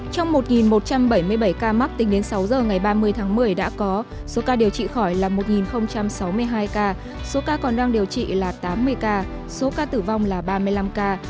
trong một một trăm bảy mươi bảy ca mắc tính đến sáu giờ ngày ba mươi tháng một mươi đã có số ca điều trị khỏi là một sáu mươi hai ca số ca còn đang điều trị là tám mươi ca số ca tử vong là ba mươi năm ca